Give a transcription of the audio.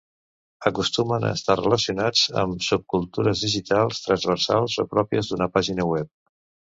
Acostumen a estar relacionats amb subcultures digitals, transversals o pròpies d'una pàgina web.